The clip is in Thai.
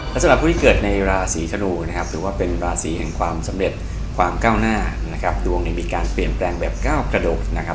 และสำหรับผู้ที่เกิดในราศีธนูนะครับถือว่าเป็นราศีแห่งความสำเร็จความก้าวหน้านะครับดวงเนี่ยมีการเปลี่ยนแปลงแบบก้าวกระโดดนะครับ